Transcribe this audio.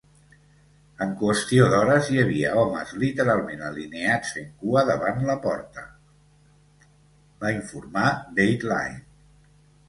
"En qüestió d'hores hi havia homes literalment alineats fent cua davant la porta", va informar Dateline.